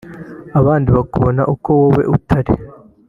abandi bakubona uko wowe utari